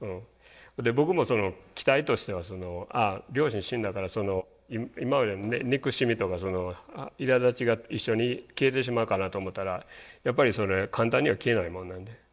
僕も期待としては両親死んだから今までの憎しみとかいらだちが一緒に消えてしまうかなと思ったらやっぱりそれ簡単には消えないもんなんで。